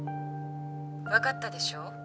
わかったでしょう？